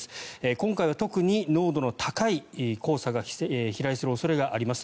今回は特に濃度の高い黄砂が飛来する恐れがあります。